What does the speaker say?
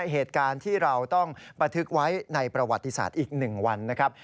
เหตุการณ์ที่เราต้องบันทึกไว้ในประวัติศาสตร์อีก๑วันนะครับ